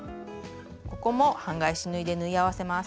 ここも半返し縫いで縫い合わせます。